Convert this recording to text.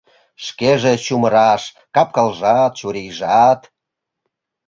Шкеже чумыраш: кап-кылжат, чурийжат.